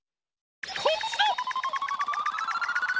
こっちだ！